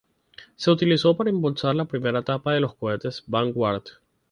Se utilizó para impulsar la primera etapa de los cohetes Vanguard.